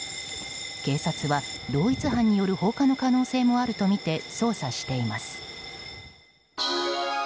警察は同一犯による放火の可能性もあるとみて捜査しています。